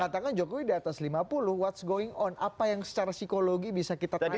mengatakan jokowi di atas lima puluh what's going on apa yang secara psikologi bisa kita tanya